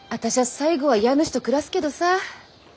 最後は家主と暮らすけどさ。